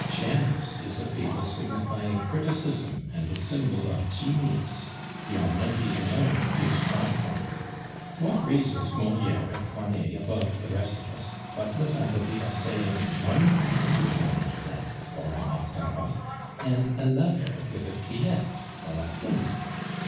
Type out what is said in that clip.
Janus is a fable signifying criticism and the symbol of Genius. The Almighty alone is triform. What raises Moliere and Corneille above the rest of us but the faculty of saying one thing with an Alceste or an Octave, and another with a Philinte or a Cinna?